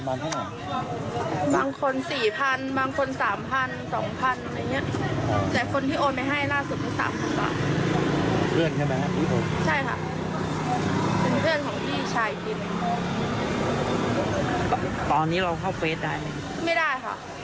ไม่ได้ค่ะเขาล็อกรหัสเลยเข้าไม่ได้